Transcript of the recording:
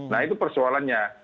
nah itu persoalannya